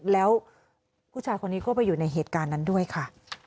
แล้วผู้ชายคนนี้ก็ไปอยู่ในเหตุการณ์นั้นด้วยค่ะ